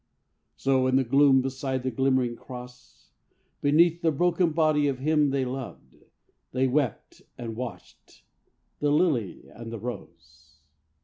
So, in the gloom beside that glimmering cross, Beneath the broken body of him they loved, They wept and watched the lily and the rose.